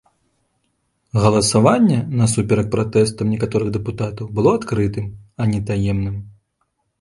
Галасаванне, насуперак пратэстам некаторых дэпутатаў, было адкрытым, а не таемным.